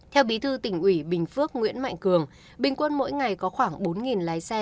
theo bí thư tỉnh ủy bình phước nguyễn mạnh cường bình quân mỗi ngày có khoảng bốn lái xe